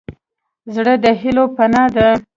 زړه د هيلو پناه ده.